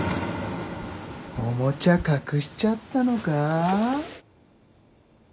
おもちゃ隠しちゃったのか？